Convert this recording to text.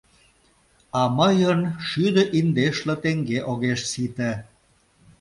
А мыйын шӱдӧ индешле теҥге огеш сите...